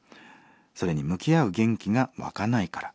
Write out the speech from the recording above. それに向き合う元気が湧かないから。